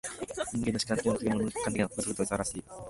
人間の主観的な目的と物の客観的な法則との統一を現わしている。